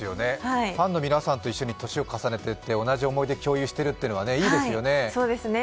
ファンの皆さんと一緒に、年を重ねていって同じ思い出を共有してるっていうのはいいですよね。